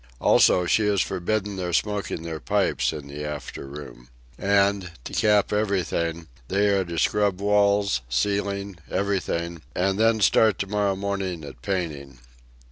Also, she has forbidden them smoking their pipes in the after room. And, to cap everything, they are to scrub walls, ceiling, everything, and then start to morrow morning at painting.